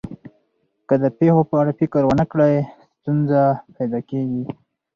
که د پېښو په اړه فکر ونه کړئ، ستونزه پیدا کېږي.